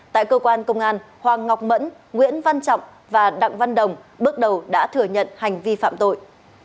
tại cơ quan công an hoàng ngọc mẫn nguyễn văn trọng và đặng văn đồng bước đầu đã thừa nhận hành vi phạm tội